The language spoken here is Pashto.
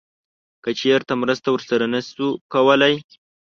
که چیرته مرسته ورسره نه شو کولی